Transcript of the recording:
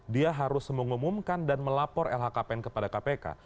dia harus mengumumkan dan melapor lhkpn kepada kpk